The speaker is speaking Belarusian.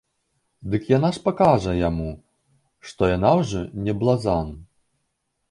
Дык яна ж пакажа яму, што яна ўжо не блазан.